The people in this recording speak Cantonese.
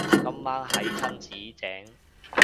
今晚係親子丼